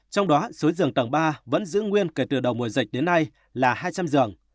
trong đó số giường tầng ba vẫn giữ nguyên kể từ đầu mùa dịch đến nay là hai trăm linh giường